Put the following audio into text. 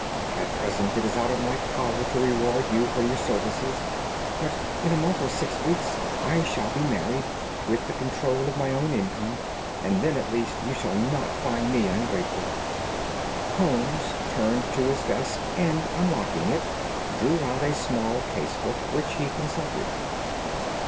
At present it is out of my power to reward you for your services, but in a month or six weeks I shall be married, with the control of my own income, and then at least you shall not find me ungrateful." Holmes turned to his desk and, unlocking it, drew out a small case book, which he consulted.